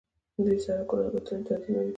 دوی سړکونه او الوتنې تنظیموي.